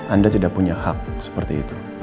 anda tidak punya hak seperti itu